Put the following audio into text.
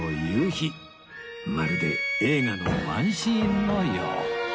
まるで映画のワンシーンのよう